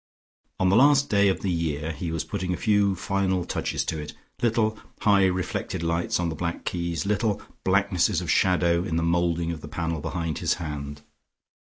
On the last day of the year he was putting a few final touches to it, little high reflected lights on the black keys, little blacknesses of shadow in the moulding of the panel behind his hand.